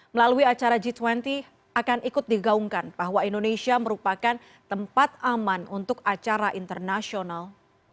melalui acara g dua puluh akan ikut digaungkan bahwa indonesia merupakan tempat aman untuk acara internasional